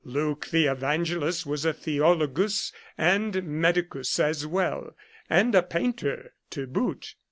Luke the Evangelist was a theologus and medicus as well, and a painter to boot.